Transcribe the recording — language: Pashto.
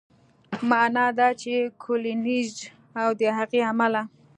معنا دا چې کولینز او د هغې عمله